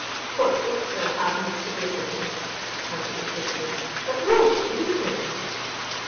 "What wouldst thou have me to do with him," answered the citizen, "but roast and eat him?"